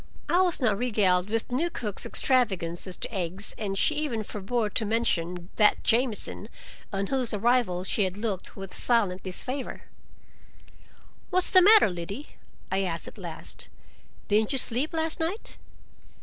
I was not regaled with the new cook's extravagance as to eggs, and she even forbore to mention "that Jamieson," on whose arrival she had looked with silent disfavor. "What's the matter, Liddy?" I asked at last. "Didn't you sleep last night?"